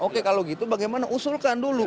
oke kalau gitu bagaimana usulkan dulu